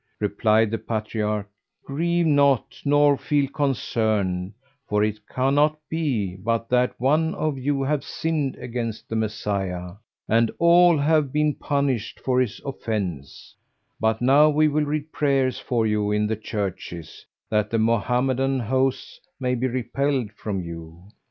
Replied the Patriarch, "Grieve not nor feel concerned, for it cannot be but that one of you have sinned against the Messiah, and all have been punished for his offence; but now we will read prayers for you in the churches, that the Mohammeden hosts may be repelled from you."